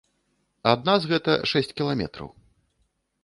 Ад нас гэта шэсць кіламетраў.